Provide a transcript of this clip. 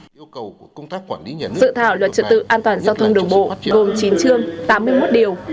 dự thảo luật trật tự an toàn giao thông đường bộ gồm chín chương tám mươi một điều